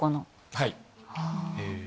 はい。